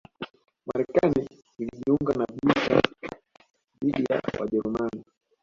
Marekani ilijiunga na vita dhidi ya Wajerumani